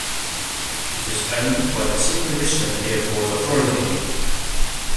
It is owned by the Sidney Richland Airport Authority.